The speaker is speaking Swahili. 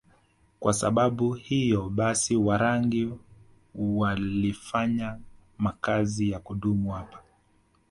Kwa sababu hiyo basi Warangi walifanya makazi ya kudumu hapa